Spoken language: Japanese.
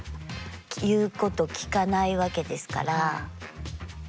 言うこと聞かないわけですから。